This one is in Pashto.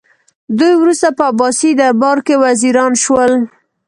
دوی وروسته په عباسي دربار کې وزیران شول